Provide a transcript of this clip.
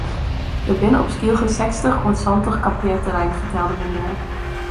Der binne op Skylge sechstich oant santich kampearterreinen fertelde men dêre.